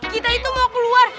kita itu mau keluar